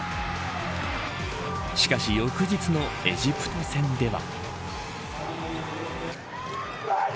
しかし、翌日のエジプト戦では。